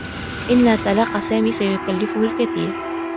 إنّ طلاق سامي سيكلّفه الكثير.